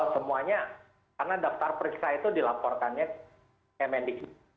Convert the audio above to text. semuanya karena daftar periksa itu dilaporkannya kemendikbud